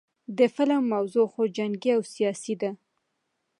د فلم موضوع خو جنګي او سياسي ده